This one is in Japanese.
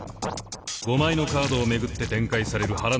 ５枚のカードを巡って展開される腹の探り合い。